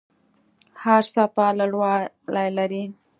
هره څپه لوړوالی لري.